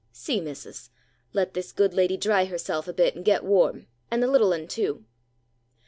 "See, missus! Let this good lady dry herself a bit, and get warm, and the little un too."